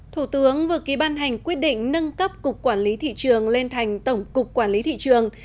thủ tướng vừa ký ban hành quyết định nâng cấp cục quản lý thị trường lên thành tổng cục quản lý thị trường